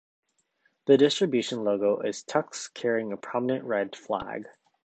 The distribution logo is Tux carrying a prominent red flag.